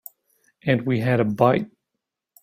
And we had a bite.